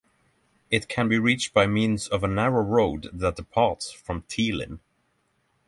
It can be reached by means of a narrow road that departs from Teelin.